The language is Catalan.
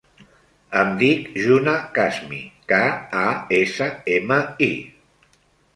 Em dic Juna Kasmi: ca, a, essa, ema, i.